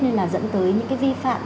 nên là dẫn tới những vi phạm